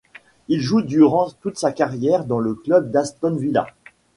Il joue durant toute sa carrière dans le club d'Aston Villa.